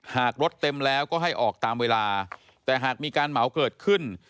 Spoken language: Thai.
หากรถเต็มแล้วก็ให้ออกตามเวลาแต่หากมีการเหมาเกิดขึ้น